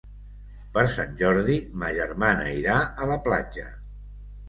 Per Sant Jordi ma germana irà a la platja.